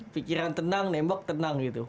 pikiran tenang nembok tenang gitu